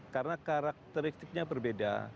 karena karakteristiknya berbeda